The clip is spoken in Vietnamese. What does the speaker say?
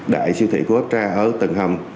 đại siêu thị quốc gia ở tầng hầm